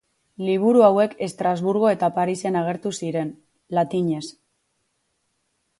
Liburu hauek Estrasburgo eta Parisen agertu ziren, latinez.